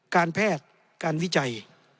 การแพทย์การวิจัย